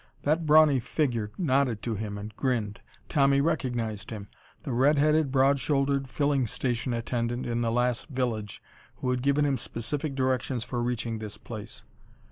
That brawny figure nodded to him and grinned. Tommy recognized him. The red headed, broad shouldered filling station attendant in the last village, who had given him specific directions for reaching this place.